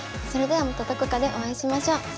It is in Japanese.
それではまたどこかでお会いしましょう。